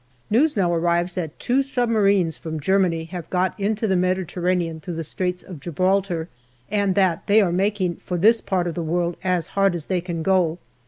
News now arrives that two submarines from Germany have got into the Mediterranean through the Straits of Gibraltar, and that they are making for this part of the world as hard as they can go.